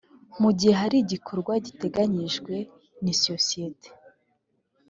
mu gihe hari igikorwa giteganyijwe n isosiyete